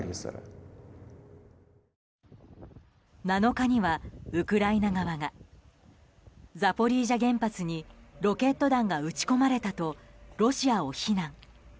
７日にはウクライナ側がザポリージャ原発にロケット弾が撃ち込まれたとロシアを非難。